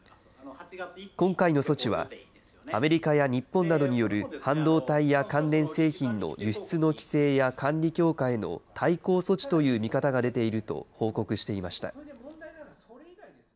今回の措置は、アメリカや日本などによる半導体や関連製品の輸出の規制や管理強化への対抗措置という見方が出ていると報告していました。